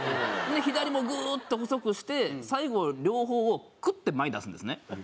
左もグーッと細くして最後両方をクッて前に出すんですね。